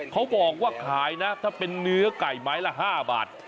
เขาบอกว่าขายนะถ้าเป็นเนื้อไก่ไม้ละ๕บาท